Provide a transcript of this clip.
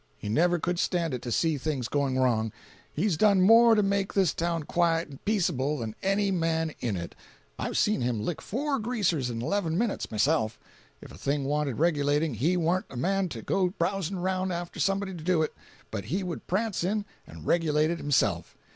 He never could stand it to see things going wrong. He's done more to make this town quiet and peaceable than any man in it. I've seen him lick four Greasers in eleven minutes, myself. If a thing wanted regulating, he warn't a man to go browsing around after somebody to do it, but he would prance in and regulate it himself.